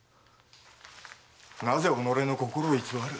なぜ己の心を偽る？